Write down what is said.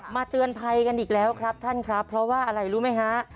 เตือนภัยกันอีกแล้วครับท่านครับเพราะว่าอะไรรู้ไหมฮะ